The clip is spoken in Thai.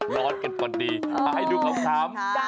นอนกันปลอดีมาให้ดูครอบคร้ำ